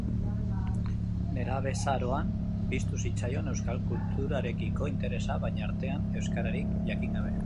Nerabezaroan piztu zitzaion euskal kulturarekiko interesa, baina artean, euskararik jakin gabe.